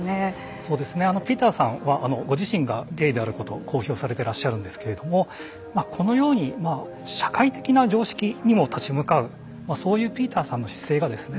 そうですねピーターさんはご自身がゲイであることを公表されてらっしゃるんですけれどもこのように社会的な常識にも立ち向かうそういうピーターさんの姿勢がですね